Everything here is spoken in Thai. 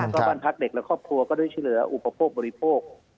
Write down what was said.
แล้วก็บ้านพักเด็กและครอบครัวก็ได้ช่วยเหลืออุปโภคบริโภค